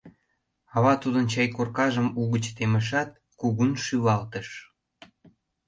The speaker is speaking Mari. — Ава тудын чайгоркажым угыч темышат, кугун шӱлалтыш.